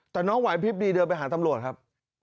แต่น้องไหวพลิบดีเดินไปหาตำรวจครับ